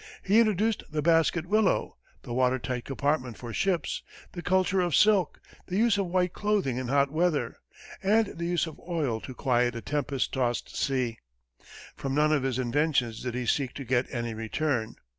He introduced the basket willow, the water tight compartment for ships, the culture of silk, the use of white clothing in hot weather, and the use of oil to quiet a tempest tossed sea. From none of his inventions did he seek to get any return.